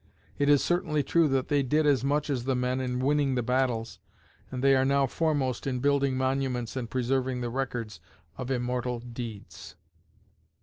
It is certainly true that they did as much as the men in winning the battles, and they are now foremost in building monuments and preserving the records of immortal deeds.